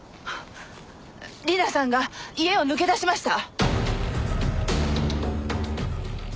里奈さんが家を抜け出しました！